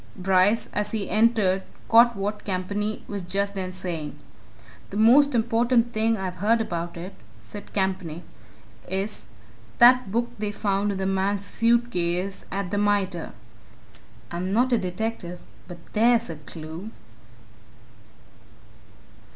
Bryce, as he entered, caught what Campany was just then saying. "The most important thing I've heard about it," said Campany, "is that book they found in the man's suit case at the Mitre. I'm not a detective but there's a clue!"